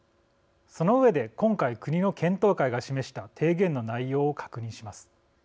その上で今回、国の検討会が示した提言の内容を確認します。